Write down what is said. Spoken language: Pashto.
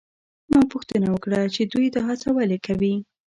ما پوښتنه وکړه چې دوی دا هڅه ولې کوي؟